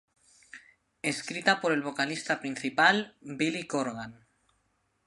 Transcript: Escrita por el vocalista principal Billy Corgan.